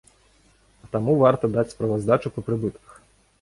А таму варта даць справаздачу па прыбытках.